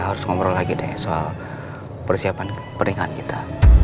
kita harus ngobrol lagi deh soal persiapan peringatan kita